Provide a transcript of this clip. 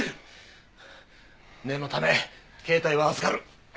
念のため携帯は預かる。